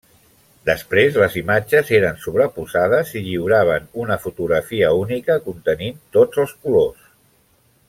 Després les imatges eren sobreposades i lliuraven una fotografia única contenint tots els colors.